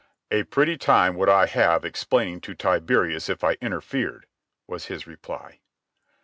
"A pretty time would I have explaining to Tiberius if I interfered," was his reply.